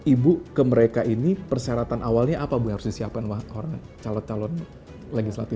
ibu ke mereka ini perseratan awalnya apa harus disiapkan orang orang calon calon legislatif